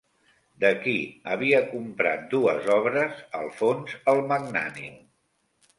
De qui havia comprat dues obres Alfons el Magnànim?